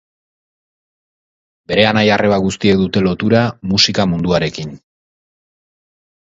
Bere anaia-arreba guztiek dute lotura musika munduarekin.